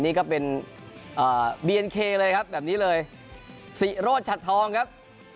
นี่ก็เป็นเบียนเคเลยครับแบบนี้เลยสิโรธชัดทองครับ